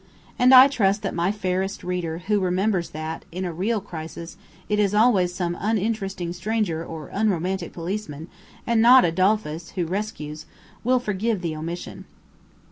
And I trust that my fairest reader, who remembers that, in a real crisis, it is always some uninteresting stranger or unromantic policeman, and not Adolphus, who rescues, will forgive the omission.